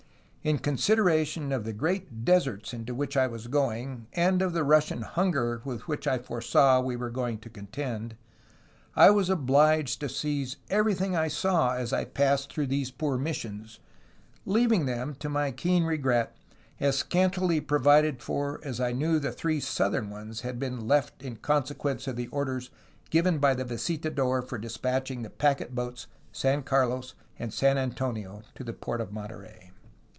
"In consideration of the great deserts into which I was going, and of the Russian hunger with which I foresaw we were going to contend, I was obliged to seize everything I saw as I passed through those poor missions, leaving them, to my keen regret, as scantily provided for as I knew the three southern ones had been left in consequence of the orders given by the visitador for despatching the packet boats San Carlos and San Antonio to the port of Monterey.